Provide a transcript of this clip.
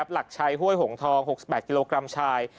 หลักชัยห้วยหงทอง๖๘กิโลกรัมชาย